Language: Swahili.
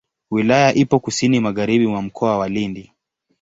Wilaya ipo kusini magharibi mwa Mkoa wa Lindi.